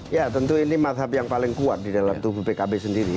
ya tentu ini mazhab yang paling kuat di dalam tubuh pkb sendiri